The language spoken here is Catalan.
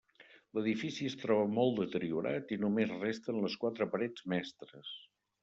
L'edifici es troba molt deteriorat i només resten les quatre parets mestres.